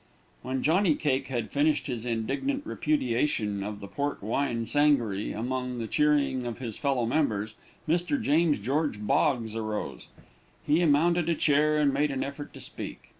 When Johnny Cake had finished his indignant repudiation of the port wine sangaree amid the cheering of his fellow members, Mr. James George Boggs arose. He mounted a chair, and made an effort to speak.